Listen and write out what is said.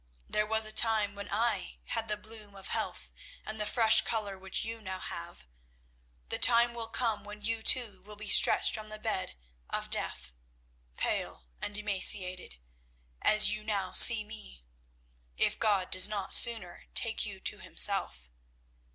There was a time when I had the bloom of health and the fresh colour which you now have. The time will come when you too will be stretched on the bed of death, pale and emaciated, as you now see me, if God does not sooner take you to Himself.